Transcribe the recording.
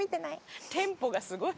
テンポがすごい。